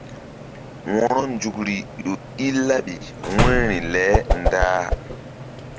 Wo̧ronzukri ƴo i laɓi wu̧yri le ndah.